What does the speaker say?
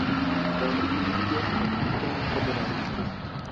brazil ndio walitwaa kombe la dunia